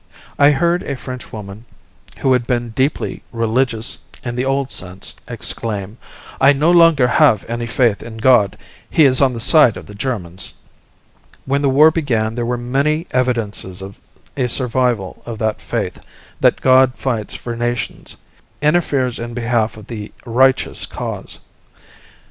I heard a Frenchwoman who had been deeply "religious" in the old sense exclaim: "I no longer have any faith in God; he is on the side of the Germans." When the war began there were many evidences of a survival of that faith that God fights for nations, interferes in behalf of the "righteous" cause.